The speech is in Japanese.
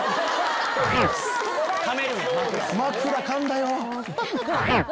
枕噛んだよ。